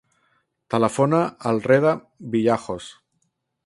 Telefona al Reda Villajos.